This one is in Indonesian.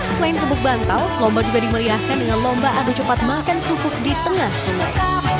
selain kebuk bantal lomba juga dimeriahkan dengan lomba adu cepat makan pupuk di tengah sungai